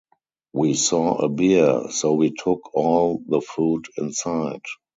We saw a bear, so we took all the food inside.